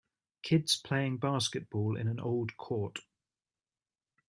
Kids playing basketball in an old court.